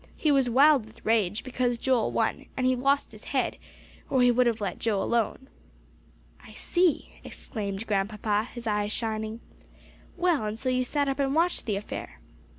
He was wild with rage because Joel won; and he lost his head, or he would have let Joe alone." "I see," exclaimed Grandpapa, his eyes shining. "Well, and so you sat up and watched the affair."